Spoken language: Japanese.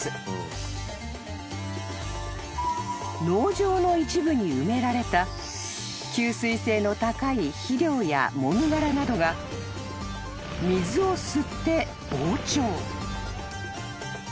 ［農場の一部に埋められた吸水性の高い肥料やもみ殻などが水を吸って膨張］